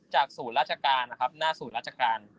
ศูนย์ราชการนะครับหน้าศูนย์ราชการ